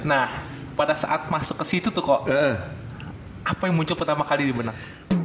nah pada saat masuk ke situ tuh kok apa yang muncul pertama kali di benang